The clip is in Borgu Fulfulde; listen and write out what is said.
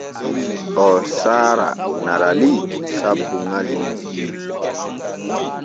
Oo saara Narali sabbu ŋari mum.